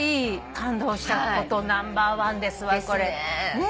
感動したことナンバーワンですわこれ。ですね。